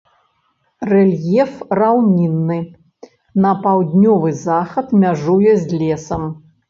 Рэльеф раўнінны, на паўднёвы захад мяжуе з лесам.